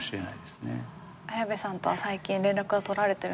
綾部さんとは最近連絡は取られてるんですか？